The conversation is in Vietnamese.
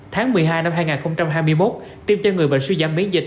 tháng một mươi hai năm hai nghìn hai mươi một tiêm cho người bệnh suy giảm biến dịch